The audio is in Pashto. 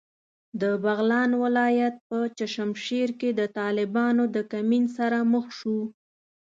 د بغلان ولایت په چشمشېر کې د طالبانو د کمین سره مخ شوو.